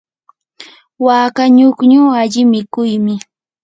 waka ñukñu alli mikuymi.